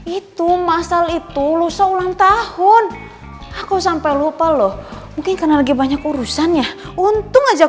itu masa gitu lusa ulang tahun aku sampai lupa loh mungkin karena lagi banyak urusan ya untung aja